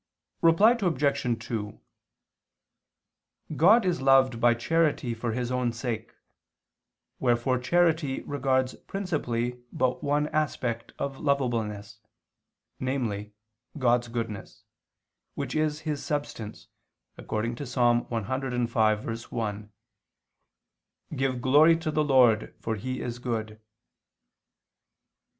Reply Obj. 2: God is loved by charity for His own sake: wherefore charity regards principally but one aspect of lovableness, namely God's goodness, which is His substance, according to Ps. 105:1: "Give glory to the Lord for He is good."